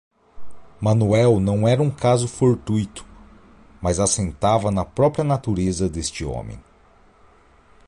Manoel não era um caso fortuito, mas assentava na própria natureza deste homem.